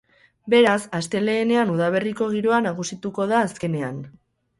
Beraz, astelehenean udaberriko giroa nagusituko da azkenean.